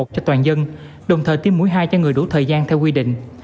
cho toàn dân đồng thời tiêm mũi hai cho người đủ thời gian theo quy định